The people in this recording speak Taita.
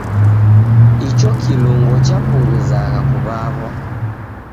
Icho kilungo chapunguzagha kuw'aw'a.